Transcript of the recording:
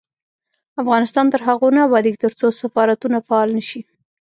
افغانستان تر هغو نه ابادیږي، ترڅو سفارتونه فعال نشي.